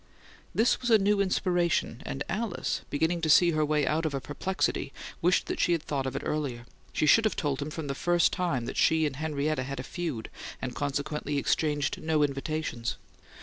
This was a new inspiration; and Alice, beginning to see her way out of a perplexity, wished that she had thought of it earlier: she should have told him from the first that she and Henrietta had a feud, and consequently exchanged no invitations.